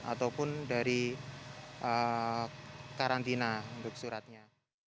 ataupun dari karantina untuk suratnya